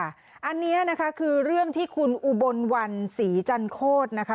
อันนี้นะคะคือเรื่องที่คุณอุบลวันศรีจันโคตรนะคะ